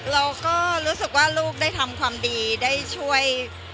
เราก็รู้สึกว่าลูกได้ทำความดีได้ช่วย